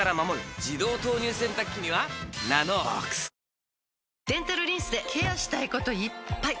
自動投入洗濯機には「ＮＡＮＯＸ」デンタルリンスでケアしたいこといっぱい！